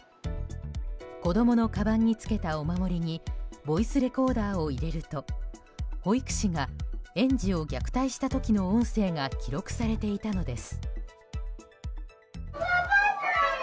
子供のかばんにつけたお守りにボイスレコーダーを入れると保育士が園児を虐待した時の音声が記録されていたのです。